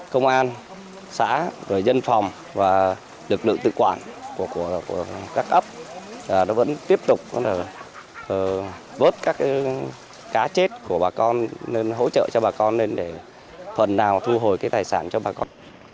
công an xã rồi dân phòng và lực lượng tự quản của các ấp nó vẫn tiếp tục bớt các cá chết của bà con hỗ trợ cho bà con lên để phần nào thu hồi cái tài sản cho bà con